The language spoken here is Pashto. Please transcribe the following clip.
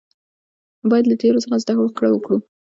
باید له تیرو څخه زده کړه وکړو